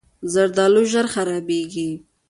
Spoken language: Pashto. زردالو ژر خرابېږي.